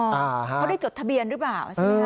เขาได้จดทะเบียนหรือเปล่าใช่ไหมคะ